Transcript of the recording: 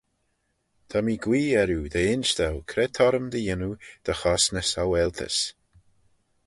Ta mee guee erriu dy insh dou cre t'orrym dy yannoo dy chosney saualtys?